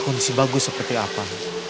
konsep bagus seperti apa